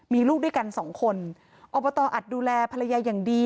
มีลูกด้วยกันสองคนอบตอัดดูแลภรรยาอย่างดี